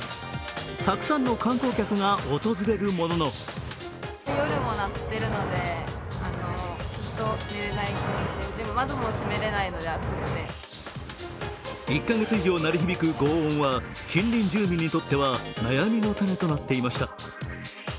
たくさんの観光客が訪れるものの１か月以上鳴り響くごう音は近隣住民にとっては悩みの種となっていました。